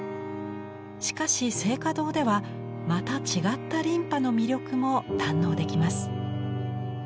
しかし静嘉堂ではまた違った琳派の魅力も堪能できます。